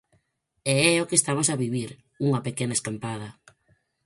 E é o que estamos vivir, unha pequena escampada.